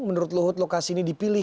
menurut luhut lokasi ini dipilih